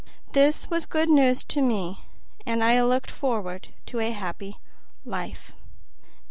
This was good news to me and I looked forward to a happy life.